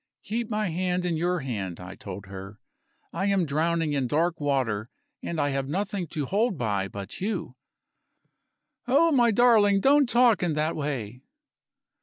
"Keep my hand in your hand," I told her; "I am drowning in dark water and I have nothing to hold by but you." "Oh, my darling, don't talk in that way!"